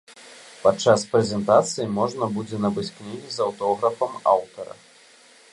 Падчас прэзентацыі можна будзе набыць кнігі з аўтографам аўтара.